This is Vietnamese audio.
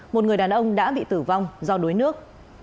một người đàn ông đã bị tử vong do đuối nước